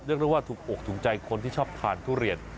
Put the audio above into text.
ได้ว่าถูกอกถูกใจคนที่ชอบทานทุเรียน